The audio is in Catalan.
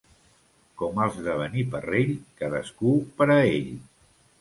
Com els de Beniparrell, cadascú per a ell.